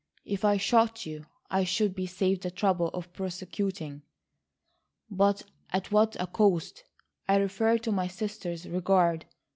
"If I shot you, I should be saved the trouble of prosecuting." "But at what a cost! I refer to my sister's regard.